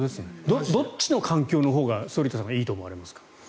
どっちの環境のほうが反田さんはいいと思いますか？